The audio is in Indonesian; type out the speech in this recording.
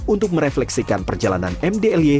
untuk merefleksikan perjalanan mdlj